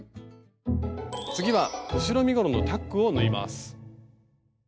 次は後ろ身ごろのタックを縫います。